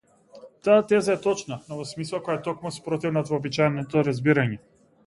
Таа теза е точна, но во смисла која е токму спротивна од вообичаеното разбирање.